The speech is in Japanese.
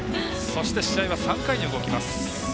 そして試合は３回に動きます。